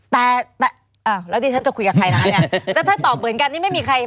แต่เอ้าแล้วดิฉันจะคุยกับใครนะแต่ถ้าตอบเหมือนกันนี้ไม่มีใคร